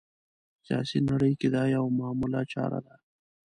سیاسي نړۍ کې دا یوه معموله چاره ده